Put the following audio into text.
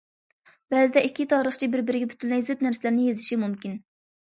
بەزىدە، ئىككى تارىخچى بىر- بىرىگە پۈتۈنلەي زىت نەرسىلەرنى يېزىشى مۇمكىن.